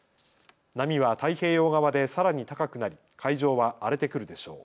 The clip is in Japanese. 波は太平洋側でさらに高くなり海上は荒れてくるでしょう。